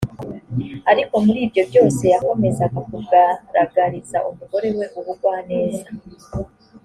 ariko muri ibyo byose yakomezaga kugaragariza umugore we ubugwaneza